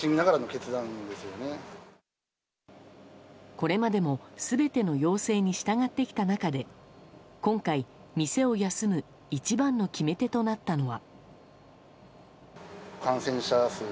これまでも全ての要請に従ってきた中で今回、店を休む一番の決め手となったのは。